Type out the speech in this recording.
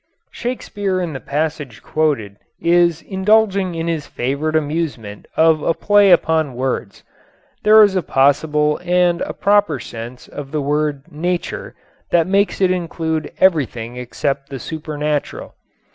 Shakespeare in the passage quoted is indulging in his favorite amusement of a play upon words. There is a possible and a proper sense of the word "nature" that makes it include everything except the supernatural.